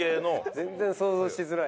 全然想像しづらい。